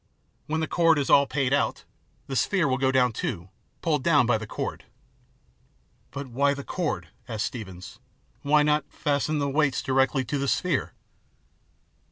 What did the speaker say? When the cord is all paid out, the sphere will go down too, pulled down by the cord." "But why the cord?" asked Steevens. "Why not fasten the weights directly to the sphere